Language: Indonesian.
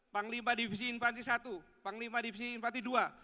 panglima divisi invasi i panglima divisi invasi ii